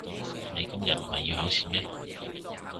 你今日唔係要考試咩？